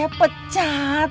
bukan saya pecat